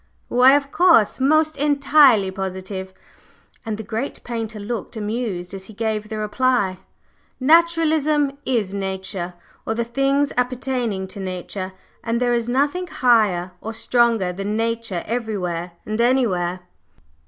"Why, of course! Most entirely positive!" And the great painter looked amused as he gave the reply. "Naturalism is Nature, or the things appertaining to Nature, and there is nothing higher or stronger than Nature everywhere and anywhere."